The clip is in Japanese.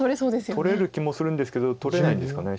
取れる気もするんですけど取れないんですかね。